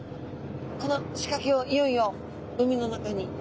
この仕かけをいよいよ海の中に。